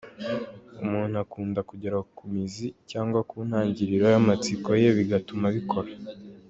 Umuntu akunda kugera ku mizi cyangwa ku ntangiriro y’amatsiko ye bigatuma abikora.